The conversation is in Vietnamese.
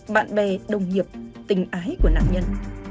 bạn bè đồng nghiệp tình ái của nạn nhân